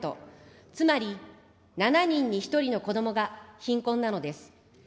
つまり７人に１人のこどもが貧困なのです。